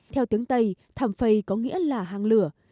theo tiếng tây thảm phầy có nghĩa là hàng lửa